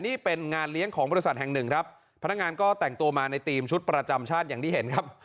นี่เป็นงานเลี้ยงของบริษัทแห่งหนึ่งครับพนักงานก็แต่งตัวมาในทีมชุดประจำชาติอย่างที่เห็นครับ